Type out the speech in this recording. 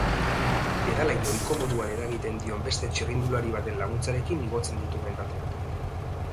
Pedalei ohiko moduan eragiten dion beste txirrindulari baten laguntzarekin igotzen ditu mendateak.